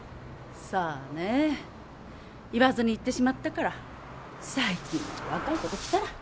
さあねぇ言わずに行ってしまったから最近の若いコときたら。